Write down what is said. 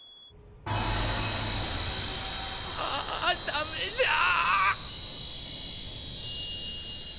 あぁダメじゃあ！